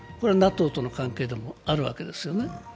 ＮＡＴＯとの関係でもあるわけですよね。